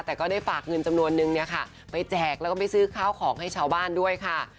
แต่ก็ได้ฝากเงินจำนวนนึงเนี่ยค่ะไปแจกแล้วก็ไปซื้อข้าวของให้ชาวบ้านด้วยค่ะ